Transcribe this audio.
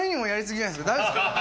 大丈夫ですか？